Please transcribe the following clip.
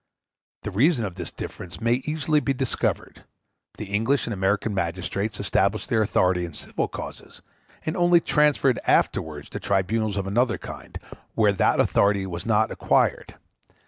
The reason of this difference may easily be discovered; the English and American magistrates establish their authority in civil causes, and only transfer it afterwards to tribunals of another kind, where that authority was not acquired.